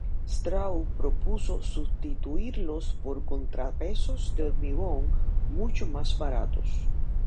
Strauss propuso sustituirlos por contrapesos de hormigón, mucho más baratos.